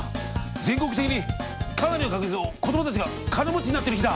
全国的にかなりの確率の子どもたちが金持ちになってる日だ！